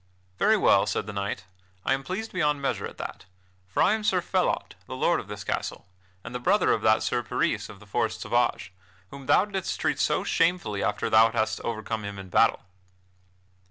"Very well," said the knight, "I am pleased beyond measure at that. For I am Sir Phelot, the lord of this castle, and the brother of that Sir Peris of the Forest Sauvage, whom thou didst treat so shamefully after thou hadst overcome him in battle."